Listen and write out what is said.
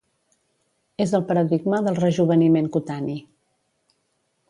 És el paradigma del rejoveniment cutani.